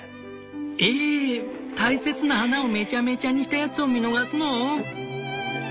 「ええ大切な花をめちゃめちゃにしたヤツを見逃すの？」。